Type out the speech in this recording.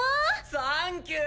サンキュー。